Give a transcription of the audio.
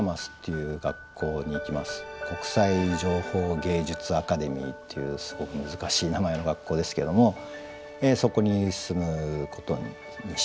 国際情報芸術アカデミーっていうすごく難しい名前の学校ですけどもそこに進むことにしました。